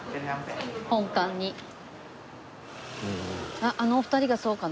あっあのお二人がそうかな？